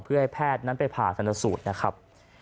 เพื่อให้แพทย์นั้นไปผ่าชนสูตรนะครับ